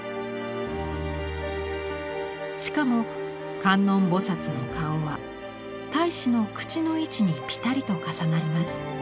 しかも観音菩の顔は太子の口の位置にぴたりと重なります。